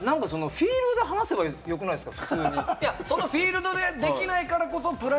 いや、フィールドで話す方がよくないですか？